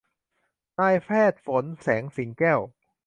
นายแพทย์ฝน แสงสิงแก้ว